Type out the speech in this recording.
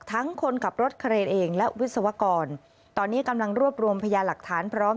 คนขับรถเครนเองและวิศวกรตอนนี้กำลังรวบรวมพยาหลักฐานพร้อม